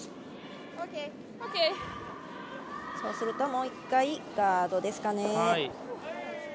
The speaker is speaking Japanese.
そうするともう１回ガードですかね。